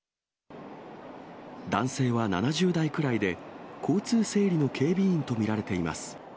男性は７０代くらいで、交通整理の警備員と見られています。